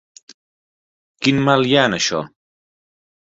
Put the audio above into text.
Quin mal hi ha en això?